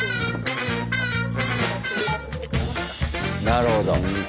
なるほど。